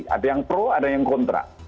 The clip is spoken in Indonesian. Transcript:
ada yang pro ada yang kontra